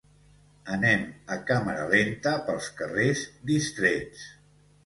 Anem a càmera lenta pels carrers distrets.